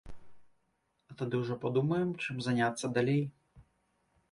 А тады ўжо падумаем, чым заняцца далей.